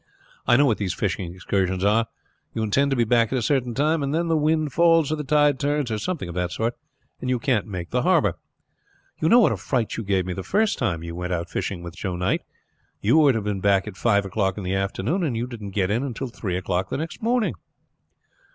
I know what these fishing excursions are; you intend to be back at a certain time, and then the wind falls, or the tide turns, or something of that sort, and you can't make the harbor. You know what a fright you gave me the very first time you went out fishing with Joe Knight. You were to have been back at five o'clock in the afternoon, and you did not get in until three o'clock the next morning."